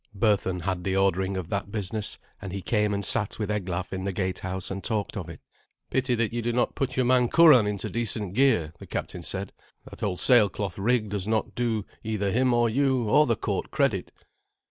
Berthun had the ordering of that business, and he came and sat with Eglaf in the gatehouse and talked of it. "Pity that you do not put your man Curan into decent gear," the captain said. "That old sailcloth rig does not do either him or you or the court credit."